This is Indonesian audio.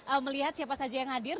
saya ingin lihat siapa saja yang hadir